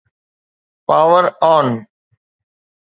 power on